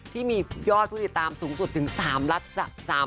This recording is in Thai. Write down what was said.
ที่มียอดผู้ติดตามสูงสุดถึง๓ล้านซับนะคะ